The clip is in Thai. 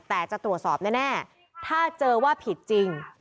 แต่จะตรวจสอบแน่ถ้าเจอว่าผิดจริง